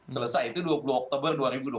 selesai itu dua puluh oktober dua ribu dua puluh